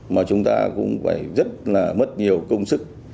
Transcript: mà chúng ta cũng phải rất là mất nhiều công sức